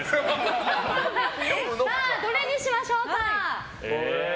さあ、どれにしましょうか。